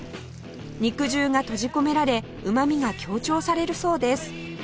肉汁が閉じ込められうま味が強調されるそうです